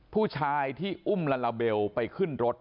ผู้ชายที่อุ้มลาลาเบลไปขึ้นรถ